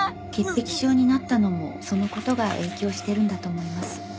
潔癖症になったのもそのことが影響してるんだと思います。